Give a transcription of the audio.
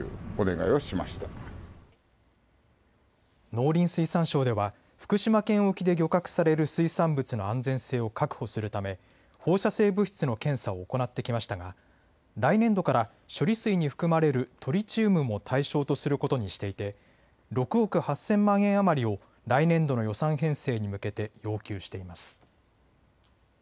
農林水産省では福島県沖で漁獲される水産物の安全性を確保するため放射性物質の検査を行ってきましたが来年度から処理水に含まれるトリチウムも対象とすることにしていて６億８０００万円余りを来年度の予算編成に向けて要求しています。